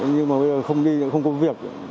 nhưng mà bây giờ không đi không có việc